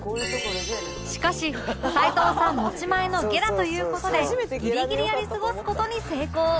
しかし齊藤さん持ち前のゲラという事でギリギリやり過ごす事に成功